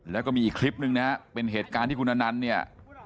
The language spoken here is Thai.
แล้วก็มีอีกคลิปนึงนะฮะเป็นเหตุการณ์ที่คุณอนันต์เนี่ย